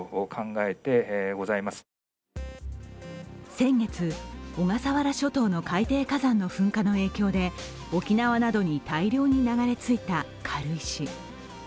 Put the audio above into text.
先月、小笠原諸島の海底火山の噴火の影響で沖縄などに大量に流れ着いた軽石。